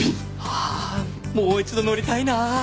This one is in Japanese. ああもう一度乗りたいなあ。